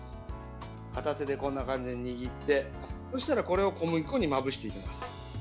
片手で、こんな感じで握ってこれを小麦粉をまぶしていきます。